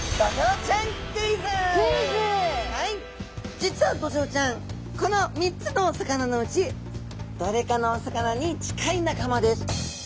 実はドジョウちゃんこの３つのお魚のうちどれかのお魚に近い仲間です。